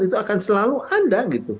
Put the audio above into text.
itu akan selalu ada